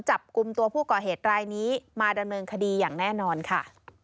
จับกลุ่มตัวผู้ก่อเหตุรายนี้มาดำเนินคดีอย่างแน่นอนค่ะ